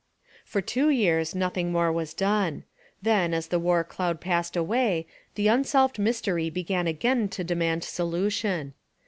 For two years nothing more was done. Then, as the war cloud passed away, the unsolved mystery began again to demand solution.